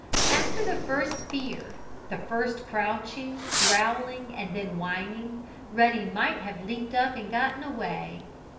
After the first fear, the first crouching, growling and then whining Ruddy might have leaped up and gotten away.